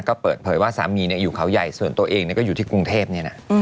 ก็เปิดเผยว่าสามีอยู่เขาใหญ่ส่วนตัวเองก็อยู่ที่กรุงเทพเนี่ยนะ